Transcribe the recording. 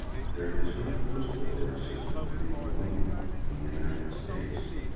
There is no postal order sys tem between Colombia and the United States.